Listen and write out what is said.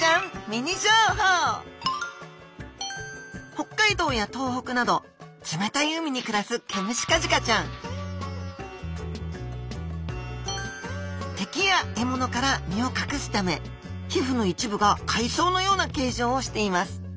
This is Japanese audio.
北海道や東北など冷たい海に暮らすケムシカジカちゃん敵や獲物から身を隠すため皮膚の一部が海藻のような形状をしています。